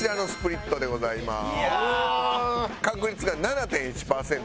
確率が７．１パーセント。